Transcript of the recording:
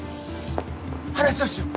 話をしよう。